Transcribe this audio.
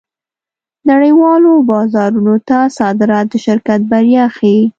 نړۍوالو بازارونو ته صادرات د شرکت بریا ښيي.